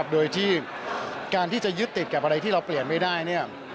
โดยที่การที่จะยึดติดกับอะไรที่เราเปลี่ยนไม่ได้